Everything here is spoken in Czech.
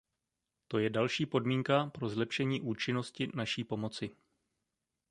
To je další podmínka pro zlepšení účinnosti naší pomoci.